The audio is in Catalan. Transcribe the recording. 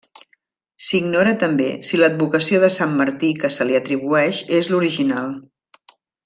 S'ignora també si l'advocació de sant Martí que se li atribueix és l'original.